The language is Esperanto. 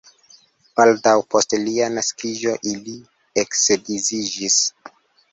Baldaŭ post lia naskiĝo ili eksedziĝis.